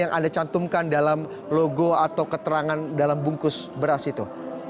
yang anda cantumkan dalam logo atau keterangan dalam bungkus beras itu